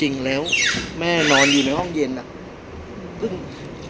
พี่อัดมาสองวันไม่มีใครรู้หรอก